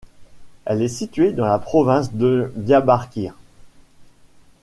Elle est située dans la province de Diyarbakır.